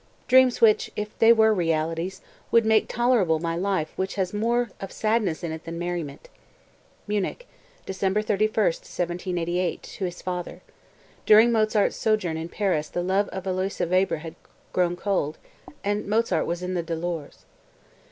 Dreams which, if they were realities, would make tolerable my life which has more of sadness in it than merriment." (Munich, December 31, 1778, to his father. During Mozart's sojourn in Paris the love of Aloysia Weber had grown cold, and Mozart was in the dolors.)